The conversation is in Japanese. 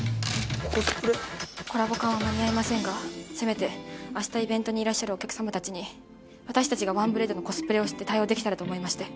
コラボ缶は間に合いませんがせめて明日イベントにいらっしゃるお客様たちに私たちが『ワンブレイド』のコスプレをして対応できたらと思いまして。